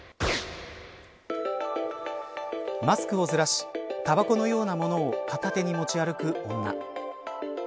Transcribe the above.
マスクをずらしタバコのようなものを片手に持ち歩く女。